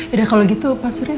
udah kalau gitu pak surya